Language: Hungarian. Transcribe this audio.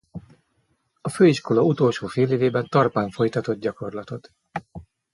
A főiskola utolsó félévében Tarpán folytatott gyakorlatot.